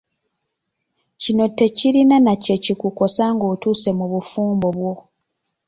Kino tekirina nakyekikukosa ng'otuuse mu bufumbo bwo.